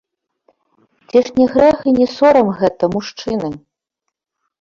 Ці ж не грэх і не сорам гэта, мужчыны?